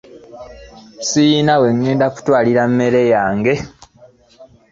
Sirina wengenda kutwalira mmere yange.